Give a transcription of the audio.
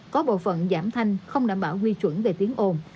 có bộ phận giảm thanh không đảm bảo quy chuẩn về tiếng ồn